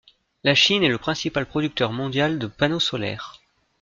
La Chine est le principal producteur mondial de panneaux solaires.